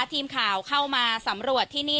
ทีมข่าวเข้ามาสำรวจที่นี่